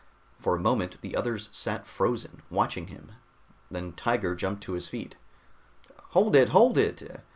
For a moment the others sat frozen, watching him. Then Tiger jumped to his feet. "Hold it, hold it!